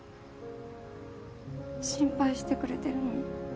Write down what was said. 心配してくれてるの？